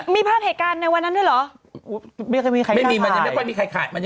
มีผ้าแหกการในวันนั้นด้วยเหรอไม่มีใครมันยังไม่เข้ามีใครขาย